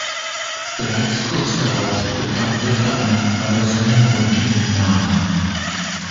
Bereits kurz darauf bekam der Verein aber seinen heutigen Namen.